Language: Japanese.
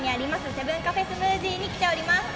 セブンカフェスムージーに来ております。